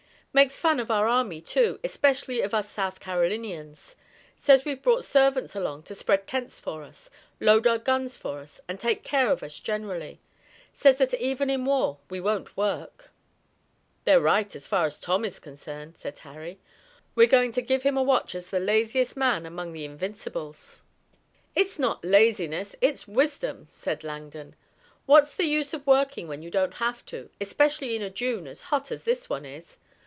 "Makes fun of our army, too, especially of us South Carolinians. Says we've brought servants along to spread tents for us, load our guns for us, and take care of us generally. Says that even in war we won't work." "They're right, so far as Tom is concerned," said Harry. "We're going to give him a watch as the laziest man among the Invincibles." "It's not laziness, it's wisdom," said Langdon. "What's the use of working when you don't have to, especially in a June as hot as this one is?